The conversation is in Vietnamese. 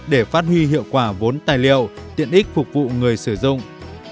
để phát huy hiệu quả vốn tài liệu tiện ích phục vụ người sử dụng